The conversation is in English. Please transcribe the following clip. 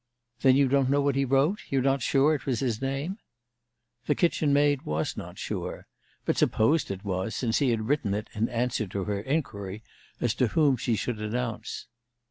"Then you don't know what he wrote? You're not sure it was his name?" The kitchen maid was not sure, but supposed it was, since he had written it in answer to her inquiry as to whom she should announce.